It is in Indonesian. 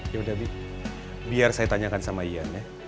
yaudah bik biar saya tanyakan sama ian ya